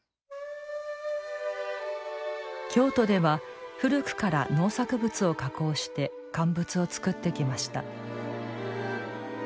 京都では、古くから農作物を加工して乾物を作ってきました。